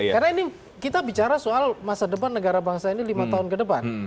karena ini kita bicara soal masa depan negara bangsa ini lima tahun ke depan